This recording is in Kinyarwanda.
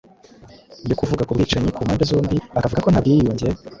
yo kuvuga ku bwicanyi ku mpande zombi, akavuga ko nta bwiyunge